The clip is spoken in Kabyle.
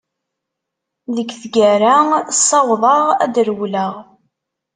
Deg tgara, ssawḍeɣ ad d-rewleɣ.